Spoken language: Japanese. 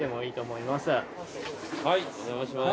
はいお邪魔します。